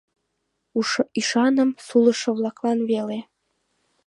Ӱшаным сулышо-влаклан веле.